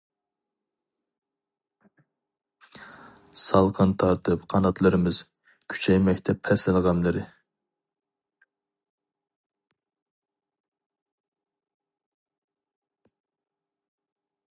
سالقىن تارتىپ قاناتلىرىمىز، كۈچەيمەكتە پەسىل غەملىرى.